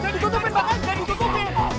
jangan ditutupin pak jangan ditutupin